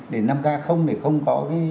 để năm k không để không có